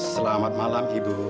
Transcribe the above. selamat malam ibu